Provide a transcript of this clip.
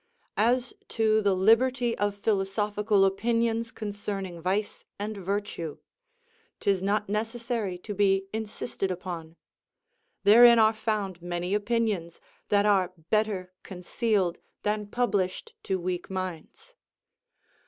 As to the liberty of philosophical opinions concerning vice and virtue, 'tis not necessary to be insisted upon; therein are found many opinions that are better concealed than published to weak minds.